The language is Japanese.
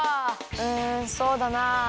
うんそうだな。